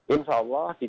insya allah di